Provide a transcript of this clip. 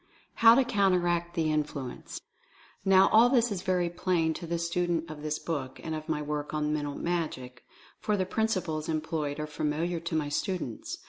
HOW TO COUNTERACT THE INFLUENCE. Now, all this is very plain to the student of this book, and of my work on "Mental Magic," for the principles employed are familiar to my students.